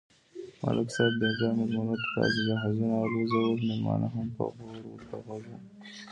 ملک صاحب بیگا مېلمنوته داسې جهازونه الوزول، مېلمانه هم په غور ورته غوږ و.